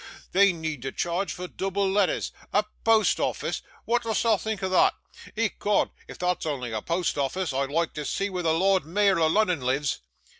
They need to charge for dooble latthers. A Poast Office! Wa'at dost thee think o' thot? 'Ecod, if thot's on'y a Poast Office, I'd loike to see where the Lord Mayor o' Lunnun lives.